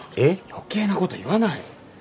余計な事言わない！